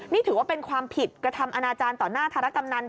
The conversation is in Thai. นี่ถือว่าเป็นความผิดกระทำอนาจารย์ต่อหน้าธารกำนัน